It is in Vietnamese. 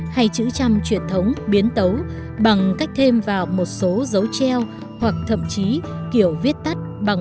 hay chữ trăm truyền thống biến tấu bằng cách thêm vào một số dấu treo hoặc thậm chí kiểu viết tắt bằng